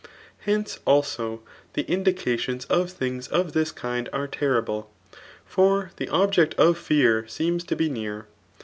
. HeMe, also, the indscadons of lU^gs ef &i»]dnd are terrible) for the object of fear *seemd to be near.